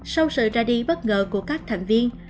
sau sự ra đi bất ngờ của các thành viên